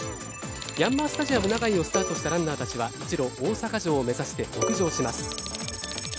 ヤンマースタジアム長居をスタートしたランナーたちは一路、大阪城を目指して北上します。